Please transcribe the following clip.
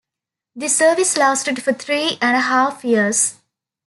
This service lasted for three and a half years.